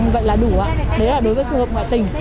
vậy là đủ ạ đấy là đối với trường hợp ngoại tỉnh